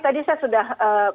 tadi saya sudah